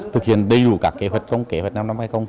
thực hiện đầy đủ các kế hoạch không kế hoạch năm năm hay không